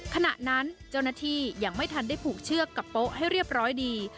ขณะนั้นเจ้าหน้าที่ยังไม่ทันได้ผูกเชือกกับโป๊ะให้เรียบร้อยดี